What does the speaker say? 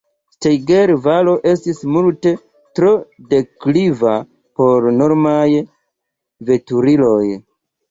Steiger-valo estis multe tro dekliva por normalaj veturiloj.